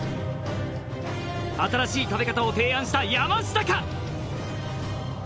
新しい食べ方を提案した山下か？